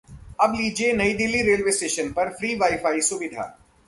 अब लीजिए नई दिल्ली रेलवे स्टेशन पर फ्री वाई-फाई सुविधा